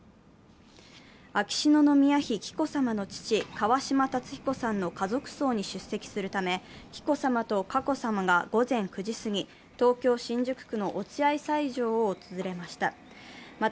秋篠宮妃・紀子さまの父、川嶋辰彦さんの家族葬に出席するため紀子さまと佳子さまが午前９時すぎ、東京・新宿区の落合斎場を訪れました。